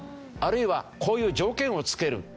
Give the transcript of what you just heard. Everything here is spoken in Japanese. あるいはこういう条件を付ける。